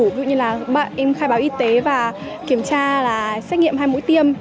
ví dụ như là bạn em khai báo y tế và kiểm tra là xét nghiệm hai mũi tiêm